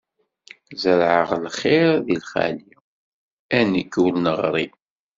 Zerɛeɣ lxiṛ di lxali, a nekk ur neɣri!